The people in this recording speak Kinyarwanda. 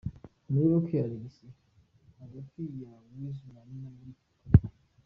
Muyoboke Alexis hagati ya Weasel na Nina kuri Hotel.